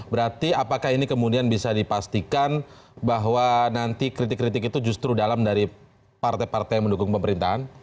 berarti apakah ini kemudian bisa dipastikan bahwa nanti kritik kritik itu justru dalam dari partai partai yang mendukung pemerintahan